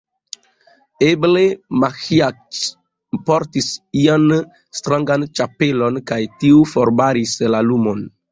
Eble, Maĥiac portis ian strangan ĉapelon, kaj tio forbaris la lumon.